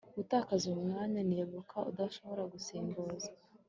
gutakaza umwanya nibuka udashobora gusimbuza